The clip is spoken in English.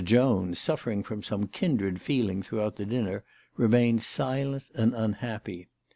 Jones, suffering from some kindred feeling throughout the dinner, remained silent and unhappy.